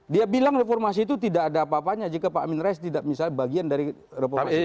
dia bilang reformasi itu tidak ada apa apanya jika pak amin rais tidak misalnya bagian dari reformasi